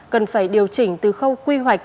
cần phải điều chỉnh từ khâu quy hoạch